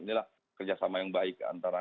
inilah kerjasama yang baik antara